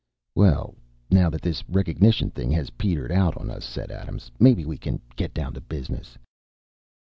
"Well, now that this recognition thing has petered out on us," said Adams, "maybe we can get down to business."